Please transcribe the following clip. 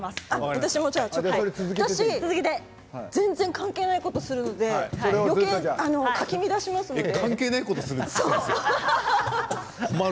私全然関係ないことをするのでよけい、かき乱しますので。